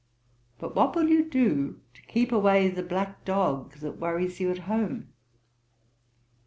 But what will you do to keep away the black dog that worries you at home?